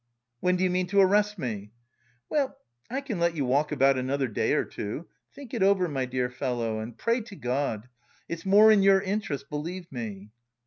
"When do you mean to arrest me?" "Well, I can let you walk about another day or two. Think it over, my dear fellow, and pray to God. It's more in your interest, believe me."